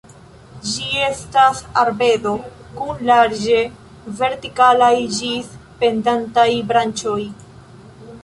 Ĝi estas arbedo kun larĝe vertikalaj ĝis pendantaj branĉoj.